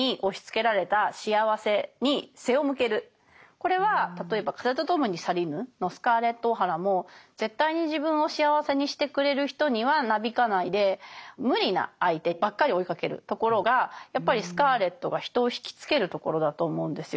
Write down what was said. これは例えば「風と共に去りぬ」のスカーレット・オハラも絶対に自分を幸せにしてくれる人にはなびかないで無理な相手ばっかり追いかけるところがやっぱりスカーレットが人を惹きつけるところだと思うんですよ。